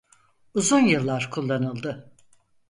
Uzun yıllar kullanıldı.